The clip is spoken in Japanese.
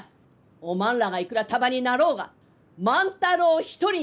おまんらがいくら束になろうが万太郎一人にはかなわん！